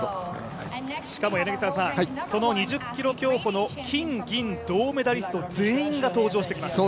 しかも２０ｋｍ競歩の金銀銅メダリスト全員が登場してきます。